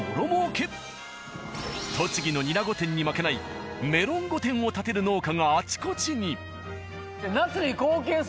栃木のニラ御殿に負けないメロン御殿を建てる農家があちこちに。